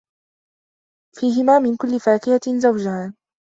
فيهِما مِن كُلِّ فاكِهَةٍ زَوجانِ